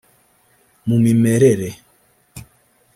mu mimerere